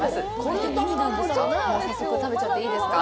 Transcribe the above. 早速食べちゃっていいですか。